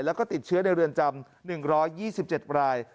แล้วก็ติดเชื้อในเรือนจำ๑๒๗ราย